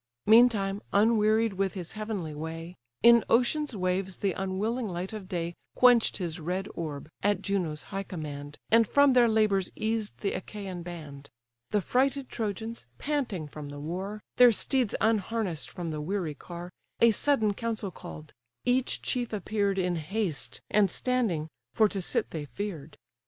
Meantime, unwearied with his heavenly way, In ocean's waves the unwilling light of day Quench'd his red orb, at Juno's high command, And from their labours eased the Achaian band. The frighted Trojans (panting from the war, Their steeds unharness'd from the weary car) A sudden council call'd: each chief appear'd In haste, and standing; for to sit they fear'd.